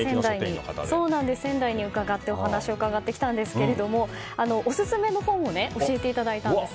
仙台に伺ってお話を伺ってきたんですがオススメの本を教えていただいたんです。